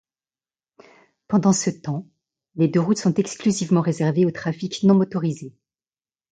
Pendant ce temps, les deux routes sont exclusivement réservées au trafic non motorisé.